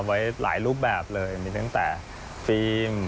ไว้หลายรูปแบบเลยมีตั้งแต่ฟิล์ม